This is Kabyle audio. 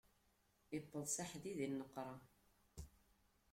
Iwweḍ s aḥdid, inneqwṛa.